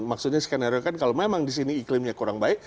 maksudnya skaneriokan kalau memang di sini iklimnya kurang baik